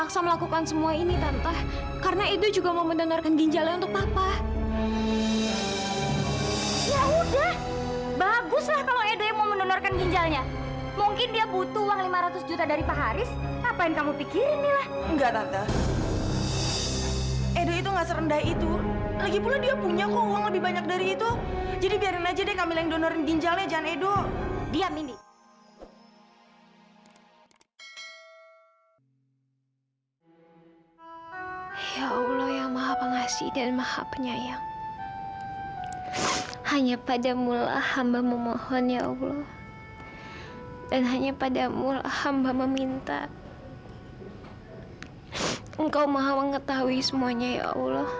sampai jumpa di video selanjutnya